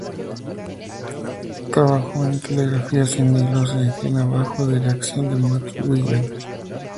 Trabajó en la telegrafía sin hilos en Jena bajo la dirección de Max Wien.